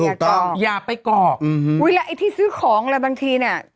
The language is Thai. เวลาไอ้ที่ซื้อของแบบบางทีเนี่ย